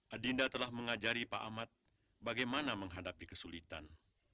adinda telah mengajari pak ahmad bagaimana menghadapi kesulitan